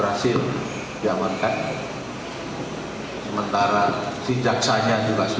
dan hari ini saya rasa dia sudah dalam perjalanan ke kejaksaan agung setelah itu